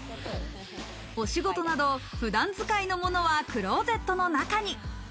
お仕事など、普段使いのものはクローゼットの中に。